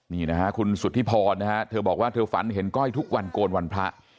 นี่นะฮะคุณสุธิพรนะฮะเธอบอกว่าเธอฝันเห็นก้อยทุกวันโกนวันพระ